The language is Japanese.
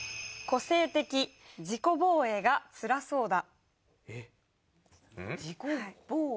「個性的自己防衛が辛そうだ」